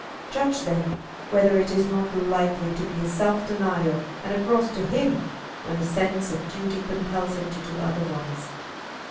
Judge, then, whether it is not likely to be a self denial and a cross to him, when a sense of duty compels him to do otherwise.